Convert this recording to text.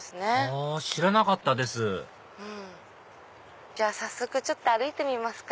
はぁ知らなかったですじゃあ早速歩いてみますか。